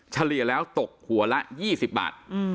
เฉลี่ยแล้วตกหัวละ๒๐บาท